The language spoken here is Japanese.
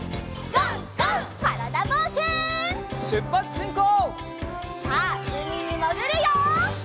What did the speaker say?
さあうみにもぐるよ！